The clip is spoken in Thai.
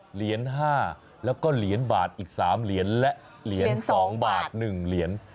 เหรียญ๕แล้วก็เหรียญบาทอีก๓เหรียญและเหรียญ๒บาท๑เหรียญ